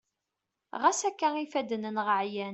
ɣas akka ifadden-nneɣ ɛyan